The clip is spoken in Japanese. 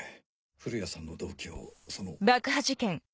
降谷さんの同期をその。